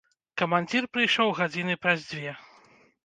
Камандзір прыйшоў гадзіны праз дзве.